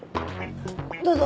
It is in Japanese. どうぞ。